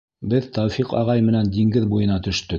Беҙ Тәүфиҡ ағай менән диңгеҙ буйына төштөк.